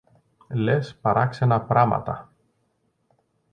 Λες παράξενα πράματα!